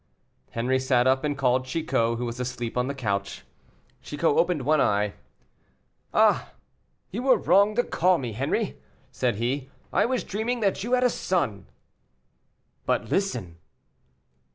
Henri sat up and called Chicot, who was asleep on the couch. Chicot opened one eye. "Ah, you were wrong to call me, Henri," said he; "I was dreaming that you had a son." "But listen."